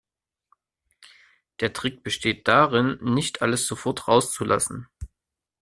Der Trick besteht darin, nicht alles sofort rauszulassen.